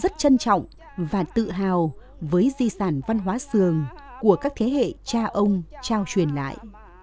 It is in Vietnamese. rất trân trọng và tự hào với di sản văn hóa sường của các thế hệ cha ông trao truyền lại